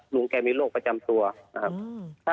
ลุงแกมีโรคประจำตัวนะครับ